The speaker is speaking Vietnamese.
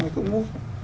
mình cũng mua